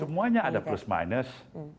semuanya ada plus minus